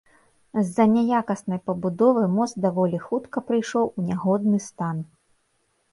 З-за няякаснай пабудовы мост даволі хутка прыйшоў у нягодны стан.